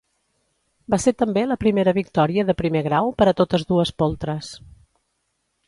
Va ser també la primera victòria de primer grau per a totes dues poltres.